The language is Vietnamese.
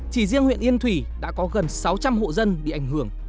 chỉ riêng huyện yên thủy đã có gần sáu trăm linh hộ dân bị ảnh hưởng